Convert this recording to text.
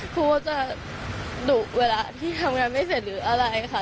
กลัวจะดุเวลาที่ทำงานไม่เสร็จหรืออะไรค่ะ